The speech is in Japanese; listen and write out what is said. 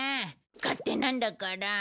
勝手なんだから！